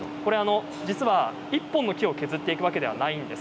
１本の木を削っていくわけではないんです。